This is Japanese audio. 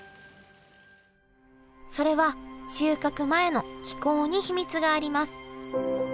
それは収穫前の気候に秘密があります。